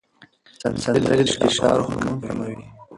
سندرې د فشار هورمون کموي.